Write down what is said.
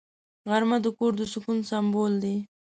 غرمه د کور د سکون سمبول دی